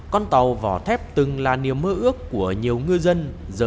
con tàu vỏ thép từng là niềm mơ ước của nhiều ngư dân